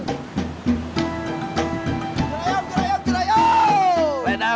gerayang gerayang gerayang